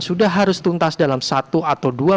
sudah harus tuntas dalam satu atau dua